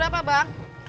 ork bahu kaki